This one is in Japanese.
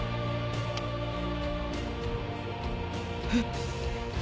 えっ。